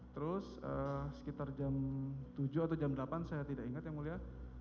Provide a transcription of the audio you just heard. terus sekitar jam tujuh atau jam delapan saya tidak ingat yang mulia